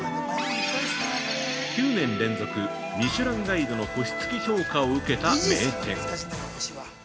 ９年連続ミシュランガイドの星付き評価を受けた名店。